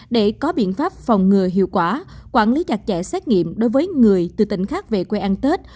để có biện pháp phòng ngừa hiệu quả quản lý chặt chẽ xét nghiệm đối với người từ tỉnh khác về quê ăn tết